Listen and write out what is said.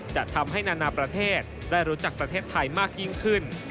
จะทำให้นานาประเทศได้รู้จักประเทศไทยมากยิ่งขึ้น